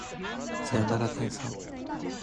さよなら天さん